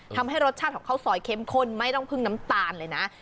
ทำให้รสชาติของข้าวซอยเข้มข้นไม่ต้องพึ่งน้ำตาลเลยนะ